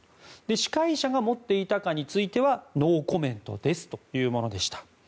司会者が持っていたかについてはノーコメントですというものでした。